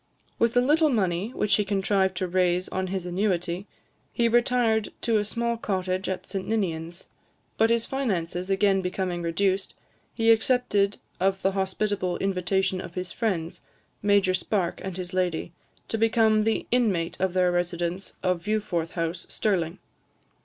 With a little money, which he contrived to raise on his annuity, he retired to a small cottage at St Ninians; but his finances again becoming reduced, he accepted of the hospitable invitation of his friends, Major Spark and his lady, to become the inmate of their residence of Viewforth House, Stirling.